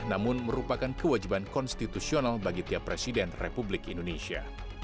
namun merupakan kewajiban konstitusional bagi tiap presiden republik indonesia